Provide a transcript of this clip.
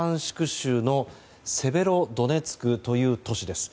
州のセベロドネツクという都市です。